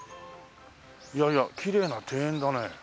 いやいやきれいな庭園だね。